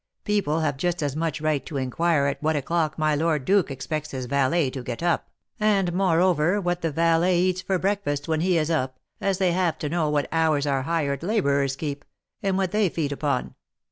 People have just as much right to inquire at what o'clock my lord duke expects his valet to get up, and moreover what the valet eats for breakfast when he is up, as they have to know what hours our hired labourers keep, and what they feed upon.